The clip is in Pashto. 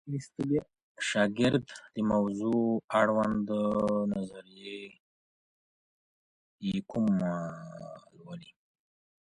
شاګرد د موضوع اړوند نظریې له کومه لولي؟